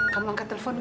kamu angkat telepon g